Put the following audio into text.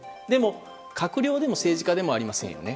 閣僚でも政治家でもありません。